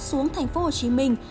xuống thành phố hồ chí minh